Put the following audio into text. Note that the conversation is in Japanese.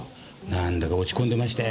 なんだか落ち込んでましたよ。